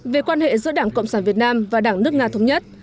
về quan hệ giữa đảng cộng sản việt nam và đảng nước nga thống nhất